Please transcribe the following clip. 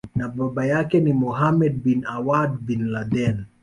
na baba yake ni Mohammad bin Awad bin Laden